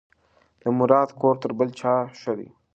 د مراد کور تر بل چا ښه دی.